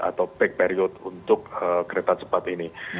atau peak period untuk kereta cepat ini